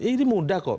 ini mudah kok